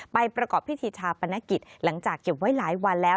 ประกอบพิธีชาปนกิจหลังจากเก็บไว้หลายวันแล้ว